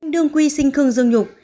đương quy sinh khương dương nhục